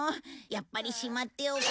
やっぱりしまっておこう。